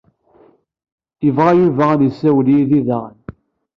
Yebɣa Yuba ad yessiwel yid-i daɣen.